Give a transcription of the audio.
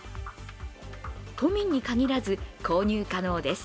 都民に限らず購入可能です。